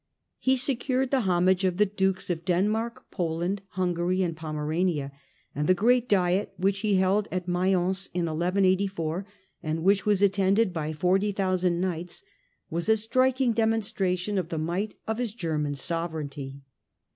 He secured the homage of the Kings of Denmark, Poland, Hungary, and Pomerania, and the great Diet which he held at Mayence in 1184, and which was attended by 40,000 knights, was a striking demonstration of the might of his German sovereignty.